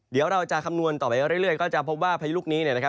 เดี๋ยวเราจะคำนวณต่อไปเรื่อยก็จะพบว่าพายุลูกนี้